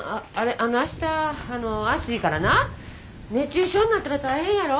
明日あの暑いからな熱中症になったら大変やろ。